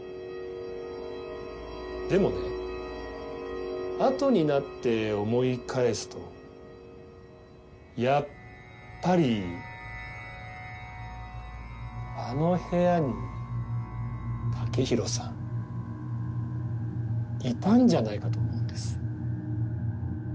でもねあとになって思い返すとやっぱりあの部屋にタケヒロさんいたんじゃないかと思うんです。